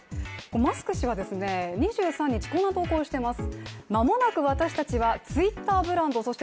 マスク氏は２３日、こんな投稿をしています。